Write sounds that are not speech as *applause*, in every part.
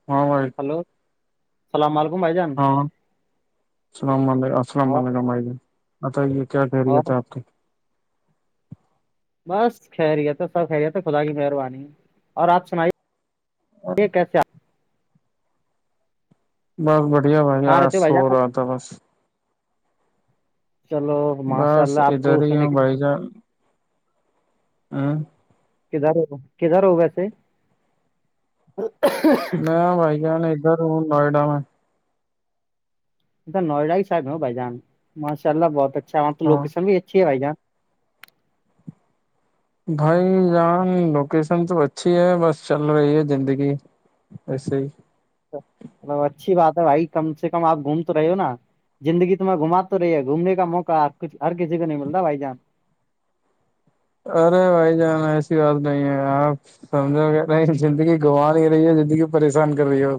*unintelligible* *unintelligible* اللام علیکم السلام اور علیکم بائی ج بتائیے کیا خیریت اور ہے آپ کی بس خیریت تو سب خیریت خدا کی مہربانی اور آپ سنائیے یہ کیسے آپ بس بڑھیا آپ بھائی کہاں آج رہتے ہو بھائی سو جان آپ؟ رہا تھا بس چلو ماشاء بس اللہ آپ کو ادھر ہی سنے ہوں کے ہوں کدھر کدار ہو ویسے میں بھائی جان ادھر ہ نوئیڈا میں اا نوئیا ہیاحب ہو بائی جان ماشاء اللہ بہت اچھا اوراں تو ہاں لوکیشن بھی اچھی ہے بھائی جان بھائی جان لوکیشن تو اچھی ہے بس چل رہی ہے زندگی ایسے ہی اچھی بات ہے بھائی کم سے کم آپ گھوم تو رہے ہو نا زندگی تمہیں گھما رہی ہے گھومنے کا موقع ہ کھ ہر کسی کو نہیں ملتا بھائی جان ارے بھائی جان ایسی بات نہیں ہے آپ سمجھو نہیں زندگی گوا نہیں رہی زندگی پریشان کر رہی ہو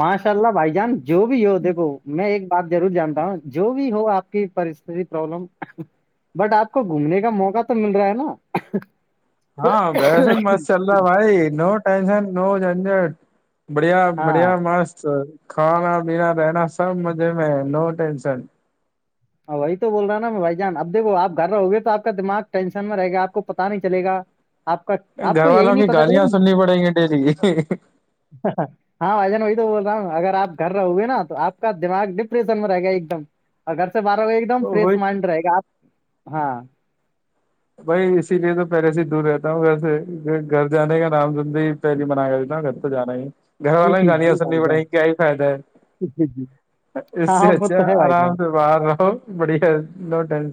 ماشاء اللہ بھائی جان جو بھی ہو دیکھو میں ایک بات ضرور جانتا ہوں جو بھی ہو آپ کی پرست پرابلم بٹ آپ کو گھومنے کا موقع تو مل رہا ہے نا ہاں بیسے مس چل رہا ہے بھائی نو ٹشن نو جنجٹ بڑھیا ہاں بڑھیا مست کھانا پینا رہنا سب مزے میں نو ٹینشن وہی تو بول رہا نا میں بھائی جان اب دھو آپھر رہو گے تو آپ کا دماغ ٹینشن میں رہے گا آپ کو پتا نہیں چلےا آپ کا آپ گھر کو یہی والوں نہیں کی پتا چلے گالیاں گی سننی پڑیں گی ڈیلی ہاں بھائیان وہی تو بول رہا ہوں اگر آ گھر رہو گے نا تو آپ کا دماغ ڈپریشن میں رہے گا ایک دم اور گھر سے باہر ہو ایک دم تو وہی فریش مائنڈ رہے گا آپ ہاں بھائی اسی لیے تو پہلے سے ہی دور رہتا ہوں گھر سے گھر جانے کا نام سندی ری منایا ج نا گھر تو جا ہی گھر جی والوں جی گانیاں بھائی سننی جان پڑیں کیا ہی فائدہ جی جی ہے اس ہاں ہاں سے وہ اچھا تو ہے بھائی آرام جان سے باہر رہو بڑھیا لو ٹن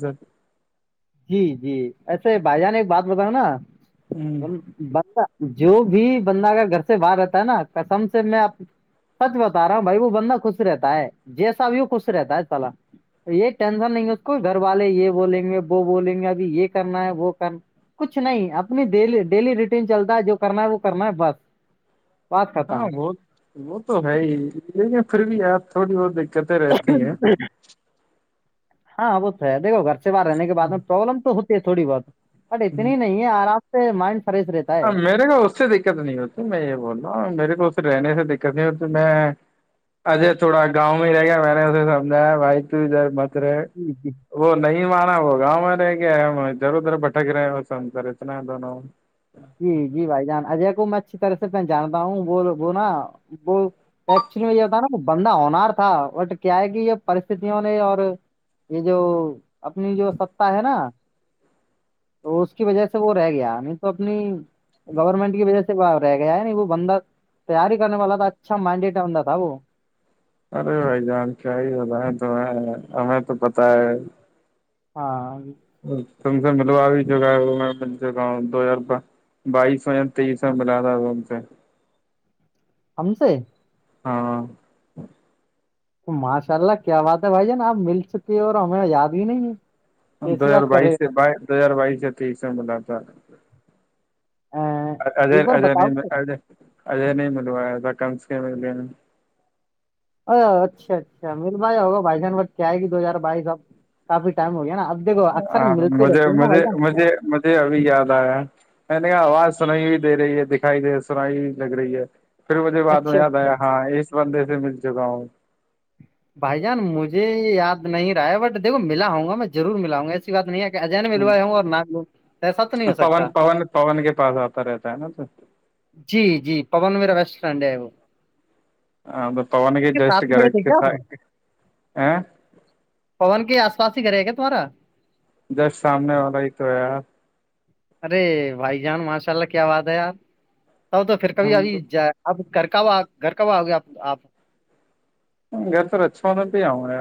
جی جی ایسے بھائی جان ایک بات بتا نا ہ بندہ جو بھی بندہ کا گھر سے باہر رہتا ہے نا کسم سے میں سچ بتا رہا ہ بھائی وہ بندہ خوش رہتا ہے جیسا بھی خوش رہتا ہے چلا یہ ٹینشن نہیں اس کو گھر والے یہ بولیں گے وہ بولیں گے ابھی یہ کرنا ہے وہ کر کچھ نہیں اپنی ڈی ڈیلی روٹین چلتا ہے جو کرنا ہے وہ کرنا ہے بس بات ہاں ختم وہ وہ تو ہے ہی لیکن پھر بھی آپ تھوڑی بہت دقتیں رہتی ہیں ہاں وہ تو ہے دیکھو گھر سے باہر رہنے کے بعد میں پروابلم تو ہوتی ہے تھوڑی بہت بٹ ہ اتنی نہیں ہے آرام سے مائنڈ فریش رہتا ہے میرے کو اس سے دقت نہیں ہوتی میں یہ بول رہا ہوں میرے کو اس رہنے سے دقت نہیں ہوتی میں اجے تھوڑا گاؤں میں ہی رہ گیا میں نے اسے سمجھایا بھائی تو ادھر مت رہے جی جی وہ نہیں مانا وہ گاؤں میں رہے گ ہےدھر ادھر بٹک رہے ہیں وہ سم کرر اتنا ہے دونوں جی جی بھائی جان اجے کو میں اچھی طرح سے پہچانتا ہوں وہ وہنا وہ ایکچولی میں یہ بتا نا بندہ ہونار تھا بٹ کیا ہے کہ یہ پرستتوں نے اور یہ جو اپنی جو ستتا ہے نا تو اس کی وجہ سے وہ رہ گیا نہیں تو اپنی گورنمنٹ کی وجہ سے ب رہ گیا ہے نہیں وہ بندہ تیاری کرنے والا تھا اچھا مائڈڈ بہ تھا وہ ارے بھائی جان کیا ہی ہوتا ہے تو ہمیں تو پتہ ہے ہاں سم سے مطلو ابھی جوگ ہے مل سکا ہوں دو ہزار روپ بائیسو یا تیسو بلا رہا ہے و سے ہمم سےے ہاں تو ماشاء اللہ کیا بات ہے بھائی جان آپ مل سکے ہو اور ہمیں یاد ہی نہیں ہے دو کیسی ہزار بات کر رہے بائیس سے ہو آپ؟ بائی دو ہزار بائیس سے تیس میں بلااتا ایں، اے ایک بار اے بتاؤ نہیں تو۔ اے اجے نہیں ملوا ای تھاا کم سے ملا ا اچھا اچھا مل بایاائے ہوگا بھائی جان بٹ کیائے گی دو ہزار بائیس اب کافی ٹائم ہوگیا نا اب دیکھو اکثر ہاں ملتے مھے رہتے ہیں نا بھائی جان مجھے مجے ج ابھی یاد آیا ہے میں نے کہ آواز سنائی ہوئی دے رہی ہے دکھائیے سنائی بھی لگ رہی ہے پھر مجھے بع میں اچھا یاد اچھا آیا ہاں اس بندے سے مل چکا ہوں بھائی جان مجھے یاد نہیں رہا ہے بٹ دیکھو ملا ہوں گا میں ضرور ملاؤں گا ایسے بات نہیں ہے کہ اجین میںلوائے ہ ہوں، اور نہ ل ایسا تو نہیں ہو سکتا پون پون پون کے پاس آتا رہتا ہے نا تو جی جی پون میرا ویسٹ فرینڈ ہے وہ آ توان گ کے جسٹ ساتھ میں گر کھڑے تھے کے کیا س آپ آ پون کے آس پس ہی گھر ہے گ کیا تمہارا جس سامنے والا ہی تو ہےیار ارے بھائی جان ماشاء اللہ کیا بات ہے یار تب تو پھر کبھی ہم تو ابھی جائے آپ گھر کاو گھر کاواہ آ گیا آ آپ گھر تو رچا ہونا بھی آؤں گا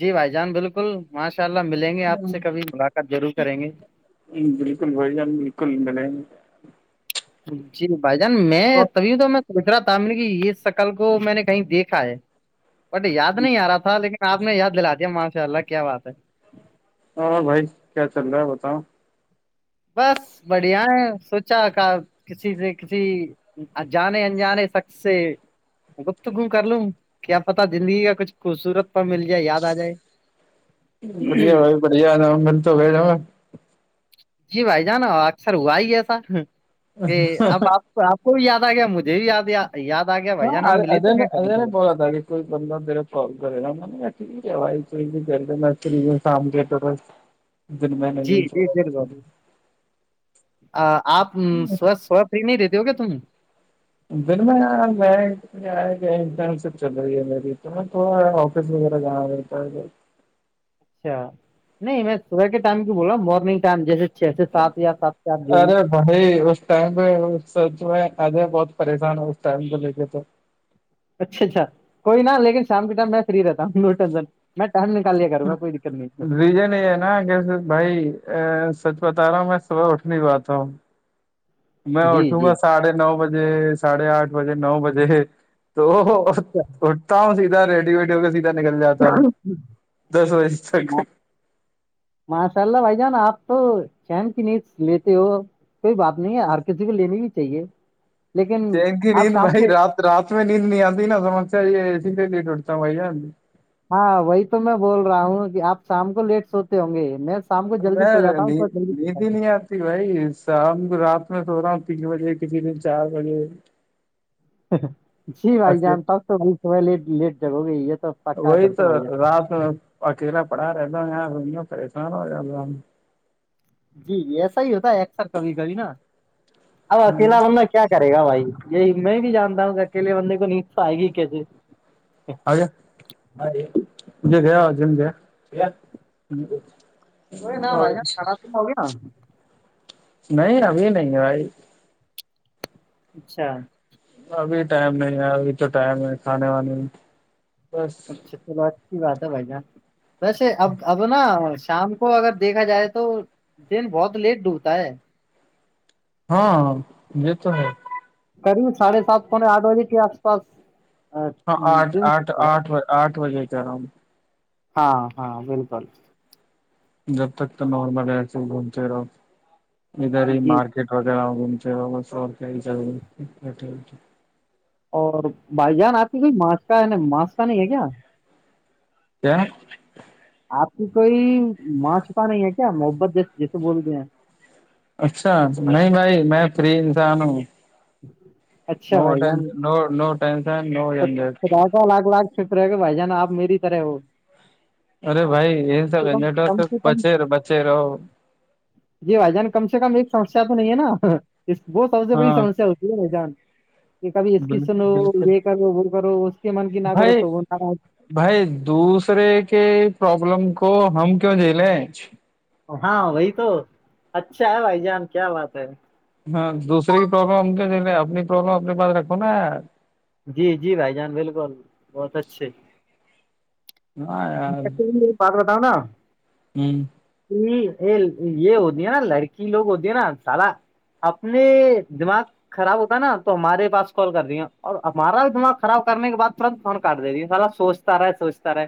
جی بھائی جان بالکل ماشاء اللہ ملیں گے آپ سے یار کبھی ملاقات ضرور کریں گے بالکل بھائی جان بالکل بل جی بھائی جان میں اور طبی د میں پوچھ رہا تھا نے یہ شکل کو میں نے کہیں دیکھا ہے بٹ یاد نہیں آ رہا تھا لیکن میں آپ نے یاد دلا دیا ماںشاء اللہ کیا بات ہے اور بھائی کیا چل رہا ہے بتاؤ بس بڑھیا ہے سوچا کا کسی سے کسی جانے انجانے سک سے گپت گم کر لوں کیا پتا دللی کا کچھ خوبصورت پر مل جائے یاد آ جائے بڑھیا بھائی بڑھیا ن مل تو ب ج ہے جی بھائی جانا اکثر ہوا ہی ایسا کہ اب آپ تو آپ کو بھی یاد آ گیا مجھے بھی یاد یاد آ گیا بھ ہاں جان ہم ملے تو اجے نے اجے نے س بولا تھا کہ کوئی بندہ میرا کال کرے گا میں نےٹ ہےائی کوئی بھی ج نرسری سام کے تو دن میں جی نہیں جی چھوڑا ر آپ س فری نہیں رہتے ہو کیا تم دن میں میں یا کیاٹائم سب چل رہی ہے میری تو ن تھوڑا آفس وغیرہ جانا رہتا ہے اچھا نہیں میں صبح کے ٹائم کی بول رہا ہوں مارننگ ٹائم جیسے چھ سے سات یا سات سے آپ جوڑی ائی اس ٹائم پہ سچ میں آجے بہت پریشان ہے اس ٹائم پہ لے کے تو اچھا اچھا کوئی ن لیک شام کے ٹائم میں فری رہتا ہوں ل ٹسن میں ٹم نکال لیا کروں گا کوئی دقت نہیں ہے ہے بجنی نہ کیسے بھائی ا سچ بتا رہا ہوں میں صبح اٹھنی بات ہوں میں ہے جی اٹھوں گا جی ساڑھے نو بجے ساڑھے آٹھ بجے نو بجے تو *inaudible* اٹھتا ہوں سیدھا ریڈیو ویڈیو کا سیدھا نکل جاتا ہوں دس بجے تک ماشاء اللہ بھائی جان آپ تو چین کی ن لیتے ہو کوئی بات نہیں ہے ہر کسی کو لینی بھی چاہیے لیکن چینکی آپ نیند شام بھائی کو رات رات میں نیند نہیں آتی نا سمجھ یہ اسی لیے لیے ٹوٹتا ہ بھ ہاں وہی تو میں بول رہا ہوں کہ آپ شام کو لیٹ سوتے ہوں گے میں شام کو جلدی میں سو جاتا ن ہوں صبح جلدی اٹھتا ندھی نہیں ہوں۔ یاار بھائی شام کو رات میں سو رہا ہوں تین بجے کسی دن چار بجے جی بھائی جان تک تو بھائی صبح لیٹ لیٹ جگو گی یہ تو پکا ہے وہی پھر تو بھائی جان رات میں اکیلا پڑا رہتا ہوں یار پریشان ہویا جی ایسا ہی ہوتا ایکسر کبھی کبھی نا ابکیلا لما کیا کرے گا بھائی یہی میں بھی جانتا ہوں کہ اکلے بندے کو نیچ تو آئے گی کیسے آ مجھے گیا جم گیا کوئی نہ بائی نہیں خھاناب تو میں ہو گیا نا نہیں ابھی نہیں ہے بھائی اچھا ابھی ٹائم نہیں ہے ابھی تو ٹائم ہے کھانے وانے میں بس اچھا تو ب اچھی بات ہے بھائی جان ویسے اب اب نا شام کو اگر دیکھا جائے تو دن بہت لیٹ ڈوبتا ہے ہاں یہ تو ہے قریب ساھے سات پونےے آٹھ بجے کے آس پاس ہاں آٹھ دن آٹھ سکتا ہے آٹھ آٹ بجے سے رہا ہ ہاں ہاں بالکل جب تک تو نارمل ایس بنتی رہو اھر جی مارک وغہ گ کیا اور بائی جان آپ کی کوئی ماسک کا ہے نا ماسک کا نہیں ہے کیا کیا آپ کی کوئی ماچھپا نہیں ہے کیا محبت جیس جیسے بولتے ہیں اچھا نہیں بھائی میں فری انسان ہوں اچھا نو بھائی ٹشن جان نو نو ٹنشن نو ند ای خدا لاکھ لاکھ فکرے کہ بھائی جان آ میری طرح وہ ارے بھائی یہ سگے کم نیٹورک کم سے کم بچے رہا بچے رہا جی بھائی جان کم سے کم ایک سمسیا تو نہیں ہے نا وہ سب سے بڑی ہاں سمسیا ہوتی ہے بھائی جان کہ کبھی اس کسن ہو بالکل بالکل یہ کرو وہ کرو اس کے من کی نہ کرو بھائی تو وہ بھائی دوسرے کے پرابلم کو ہم کیوں جیلے ہاں وہی تو اچھا ہے بھائی جان کیا بات ہے ہاں دوسری پرابلم ہمے اپنی پرابلم اپنے پاس رکھو نا جی جی بھائی جان بالکل بہت اچھے ہاں یار پکرتاؤ نا ہوں یہ یہ یہ ہوتی ہے نا لڑکی لوگ ہوتی ہیں نا سالا اپنے دماغ خراب ہوتا نا تو ہمارے پاس کال کر دیا اور ہمارا بھی دماغ خراب کرنے کے بد تورنت فون کاٹ دےجی سارا سوچتا رہے سوچتا رہے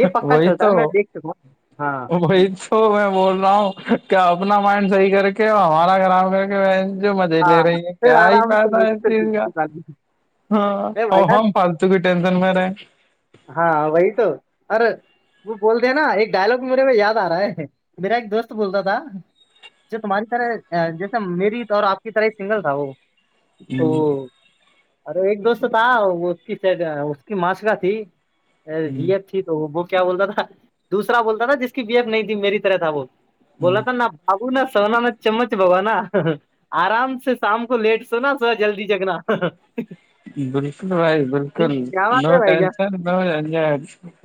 یہ پکا چوودھا میں دیکھ چک ہوں ہاں بھائی تو میں بول رہا ہوں کہ اپنا مائنڈ صحیح کر کے ہمارا خرام کر کے جو مزے ہاں لے رہی ہیں پھر کیا ہی آرام سے پیسہ مجھ اس سے چیز کا بجلی والی۔ ہاں اے بھائی ا جان، ہم توک ٹینشن میں رہ ہے ہاں وہی تو ارے وہ بولتے ہیں نا ایک ڈائلگ میرے میں یاد آ رہا ہے میرا ایک دوست بولتا تھا جو تمہاری طرح جیسے میری اور آپ کی طرح سنگل تھا وہ تو ارے ایک دوست تھا وہ اس کی اس کی ماش کاا تھی ارے ب ایف تھی تو وہ کیا بولتا تھا دوسرا بولتا تھا جس کی بی ایف نہیں تھی میری طرح تھا وہ بولا تھا نا باابو نہ سونا نا چمچ بابا نا آرام سے شام کو لیٹ سونا سو جلدی جگنا بالکل بھائی بالکل کیا بات نو ہے بھائی شن جان نوج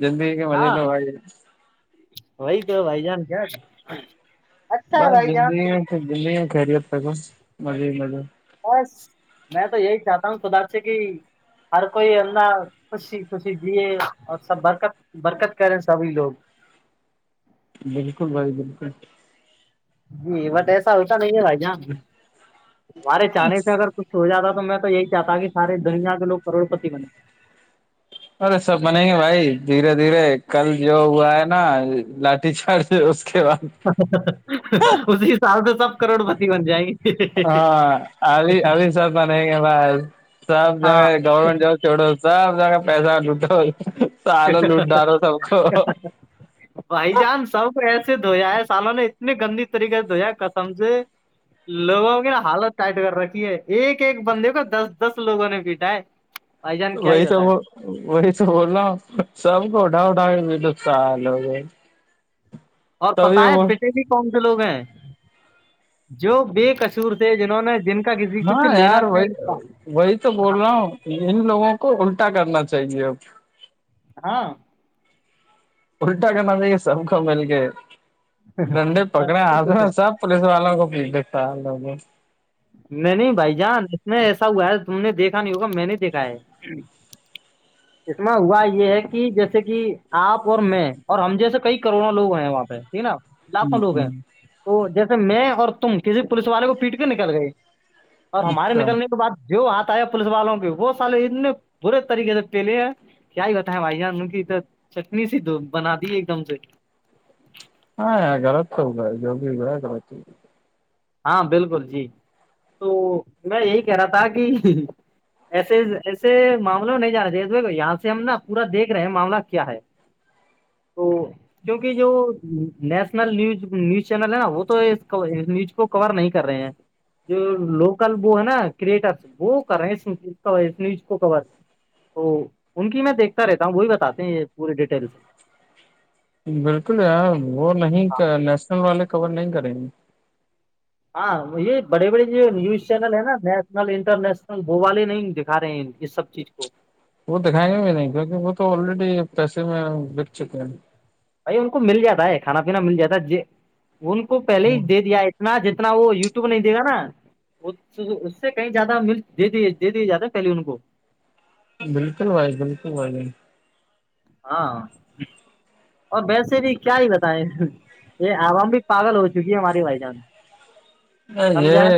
جند کے مجزے ہاں ہو وہی تو بھائی جان کیا اچھا ہے بس بھائی جگی جان میں زندگی میں خیریت تگ مزے ہی مزے بس میں تو یہی چاہتا ہوں خداپ سے کہ ہر کوئی انہ خوشی خوشی دیے اور سب برکت برکت کریں سبھی لوگ بالکل بھائی بالکل جی بٹ ایسا ہوسا نہیں ہے بھائی جان تہارے چانے سے اگر کچھ ہو جاتا تو میں تو یہی چاہتا کہ سارے دنیا کے لو کروڑپتی بنے ارے سب بنیں گے بھائی دھیرے دھیرے کل جو ہوا ہے نا لاٹھی چاڑ اس کے بعد اسی ح سال سے سب کروڑ بتی بن جائے گی ہاں اب ابھی سب میں نہیں گ ب سب ہاں جگہ گورمٹ جب چوڑو سب ج کا پیسہ لٹو سال لوٹ ڈ رہو سب کو *inaudible* بھائی جان سب کو ایسے دھویا ہے سالوں نے اتنی گندی طریقے سے دھویا کسم سے لوگوں کی نا حالت ٹائٹ کر رکھی ہے ایک ایک بندے کو دس دس لوگوں نے پیٹا ہے بھائی جان کیا ہی وہی تو بتائے وہی تو بول رہ ہ سب کو اٹھا اٹھا کے بھی ل سال ہو گئے اور پتا ہے پچھے بھی کون سے لوگ ہیں جو بے کصور تھے جنہوں نے جن کے کا کسی ہاں کچھ لینا یار تو وہی نہیں اس کا وہی تو بول رہا ہوں ان لوگوں کو الٹا کرنا چاہیے اب ہاں اللٹا کرنا د سب کا مل کے ڈنڈے پکڑے تبھی تو کچھ آضرا ہے۔ سب پولیس والوں کو بھی دا لو گے نہیں نہیں بھائی جان اس میں ایسا ہوا ہے تم نے دیکھا نہیں ہوگا میں نے دیکھا ہے *inaudible* اس میں ہوا یہ ہے کہ جیسے کہ آپ اور میں اور ہم جیسے کئی کروڑوں لوگ ہیں وہاں پہ نا لاکھوں ہوں لوگ ہیں ہوں تو جیسے میں اور تم کسی پولیس والے کو پیٹ کے نکل گئی اور ہمارے اچھا نکلنے کے بعد جو ہاتھ آئے پولیس والوں کے وہ سالے اتنے برے طریقے سے پیلے ہیں کیا ہی بتیں بھائی جان کیھر چٹنی س دو بنا دی ایک دم سے ہاں غط تو ہو گا ہے جو بھی ہو ہے لط چ ہے ہاں بالکل جی تو میں یہی کہہ رہا تھا کہ ایسے ایسے معاملے میں نہیں جا رہے بھائی یہاں سے ہم نا پورا دیکھ رہے ہیں معاملہ کیا ہے تو کیونکہ جو نیشنل نیوز نیوز چینل ہے نا وہ تو اس نیوز کو کور نہیں کر رہے ہیں جو لوکل وہ ہے نا کریٹرس وہ کر رہے ہیں اس اس نیوز کو کور تو ان کی میں دیکھتا رہتا ہوں وہی بتاتے ہیں پوری ڈیٹیلس بالکل یار وہ نہیں نیشنل والے کور نہیں کریں گے ہاں یہ بڑے بڑے جو نیوز چینل ہے نا نیشنل انٹرنیشنل وہ والے نہیں دکھا رہے ہیں یہ سب ٹھک ہو وہ دکھائیں گے بھی نہیں کیونکہ وہ تو لریڈی پیسے میں بک چکے ہیں بھائی ان کو مل جاتا ہے کھانا پینا مل جاتا ہے ج ان کو پہلے ہی ہاں دے دیا ہے نہ جتنا وہ یوٹیوب نہیں دے گا نا اس سے کہیں زیادہ ملک دے دی دے دی جیادا پہلیے ان کو بالکل بھائی بالکل بھائی ج ہاں اور ویسے بھی کیا ہی بتائے یہ آوام بھی پاگل ہو چکی ہے ماری بائی جان ہاں ہم یہ جائیں